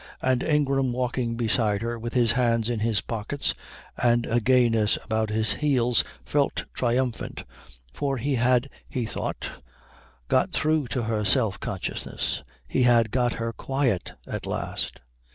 And Ingram walking beside her with his hands in his pockets and a gayness about his heels felt triumphant, for he had, he thought, got through to her self consciousness, he had got her quiet at last.